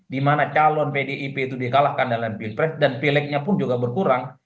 dimana calon pdip itu dikalahkan dalam pilpres dan pileknya pun juga berkurang